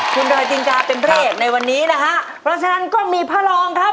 คุณดอยตินกาเป็นพระเอกในวันนี้นะฮะเพราะฉะนั้นก็มีพระรองครับ